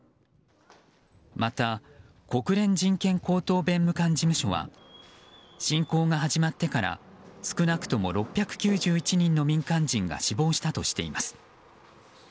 また国連難民高等弁務官事務所は侵攻が始まってから少なくとも６９１人の民間人が死亡したとしています。